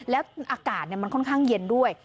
แล้วอากาศมันค่อนข้างเย็นด้วย